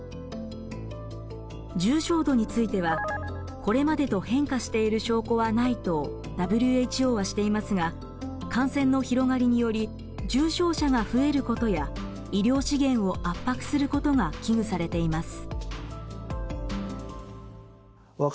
重症度については「これまでと変化している証拠はない」とＷＨＯはしていますが感染の広がりにより重症者が増えることや医療資源を圧迫することが危惧されています。